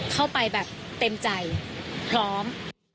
เข้าไปแบบเต็มใจพร้อม